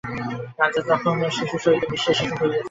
রাজা তখন শিশুর সহিত মিশিয়া শিশু হইয়াছেন, তাঁহার রাজমর্যাদা কোথায়।